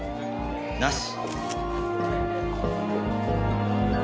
なし。